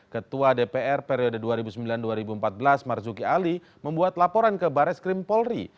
ketua dpr periode dua ribu sembilan dua ribu empat belas marzuki ali membuat laporan ke baris krim polri